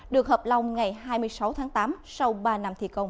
được hợp lòng ngày hai mươi sáu tháng tám sau ba năm thi công